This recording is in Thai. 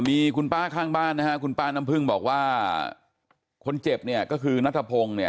มีคุณป้าข้างบ้านนะฮะคุณป้าน้ำพึ่งบอกว่าคนเจ็บเนี่ยก็คือนัทพงศ์เนี่ย